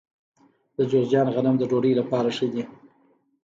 د جوزجان غنم د ډوډۍ لپاره ښه دي.